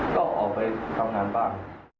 ก็ออกไปทำงานบ้าง